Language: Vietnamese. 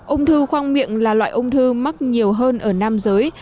ung thư khoang miệng là loại ung thư mắc nhiều hơn ở nam giới